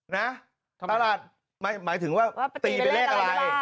ตลาดหมายถึงว่าตีเป็นเลขอะไร